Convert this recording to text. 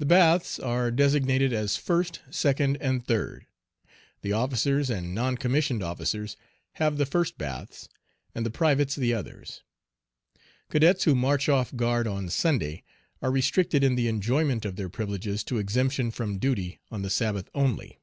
The baths are designated as "first," "second," and "third." The officers and non commissioned officers have the first baths, and the privates the others. Cadets who march off guard on Sunday are restricted in the enjoyment of their privileges to exemption from duty on the Sabbath only.